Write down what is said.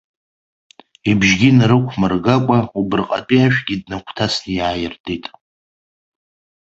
Ибжьгьы нарықәмыргакәа, убарҟатәи ашәгьы днагәҭасны иааиртит.